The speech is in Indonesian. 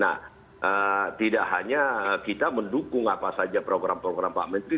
nah tidak hanya kita mendukung apa saja program program pak menteri